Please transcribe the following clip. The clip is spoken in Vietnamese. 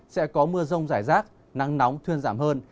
sẽ có mưa rông rải rác nắng nóng thuyên giảm hơn